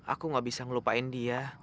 aku gak bisa ngelupain dia